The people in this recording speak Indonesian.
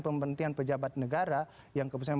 pembentian pejabat negara yang keputusan